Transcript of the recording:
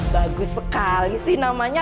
bagus sekali sih namanya